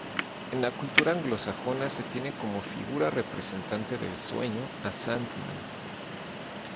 En la cultura anglosajona se tiene como figura representante del sueño a Sandman.